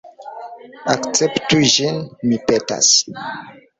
Akceptu ĝin, mi petas!